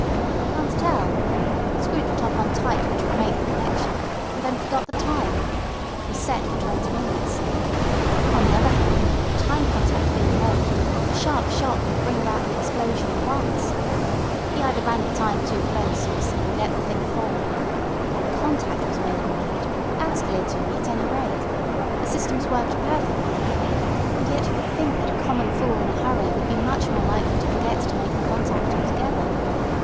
"Can't tell. Screwed the top on tight, which would make the connection, and then forgot the time. It was set for twenty minutes. On the other hand, the time contact being made, a sharp shock would bring about the explosion at once. He either ran the time too close, or simply let the thing fall. The contact was made all right—that's clear to me at any rate. The system's worked perfectly. And yet you would think that a common fool in a hurry would be much more likely to forget to make the contact altogether.